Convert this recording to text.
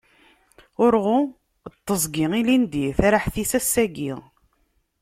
Urɣu n teẓgi ilindi, tariḥt-is, ass-agi.